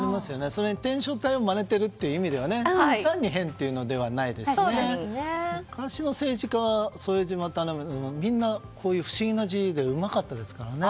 それに、篆書体をまねているという意味では単に変ではないですし昔の政治家はみんなこういう不思議な字でうまかったですからね。